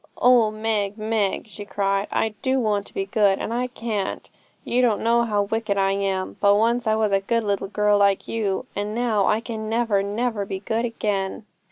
'Oh, Meg, Meg!' she cried, 'I do want to be good, and I can't. You don't know how wicked I am; but once I was a good little girl like you. And now I can never, never be good again.'